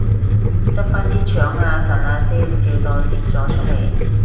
執返啲腸啊腎啊先，笑到跌咗出嚟